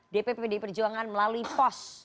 dpp pdi perjuangan melalui pos